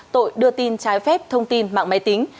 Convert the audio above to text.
tội đưa tin trái phép thông tin mạng máy tính